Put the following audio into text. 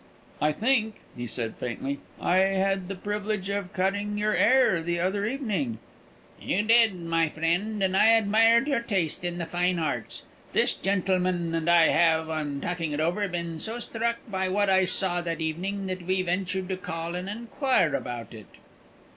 "I think," he said, faintly, "I had the privilege of cutting your 'air the other evening." "You did, my friend, and I admired your taste for the fine arts. This gentleman and I have, on talking it over, been so struck by what I saw that evening, that we ventured to call and inquire into it."